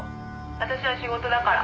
「私は仕事だから」